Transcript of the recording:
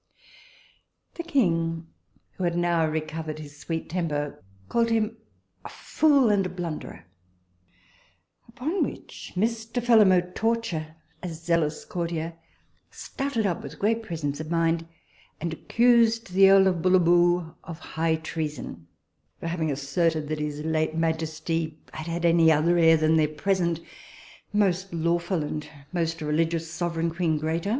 The king, who had now recovered his sweet temper, called him a fool and blunderer, upon which Mr. Phelim O'Torture, a zealous courtier, started up with great presence of mind and accused the earl of Bullaboo of high treason, for having asserted that his late majesty had had any other heir than their present most lawful and most religious sovereign queen Grata.